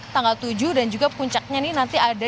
tanggal tujuh dan juga puncaknya ini nanti ada